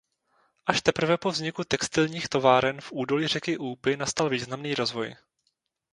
Až teprve po vzniku textilních továren v údolí řeky Úpy nastal významný rozvoj.